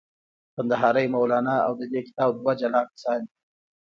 کندهاری مولانا او د دې کتاب دوه جلا کسان دي.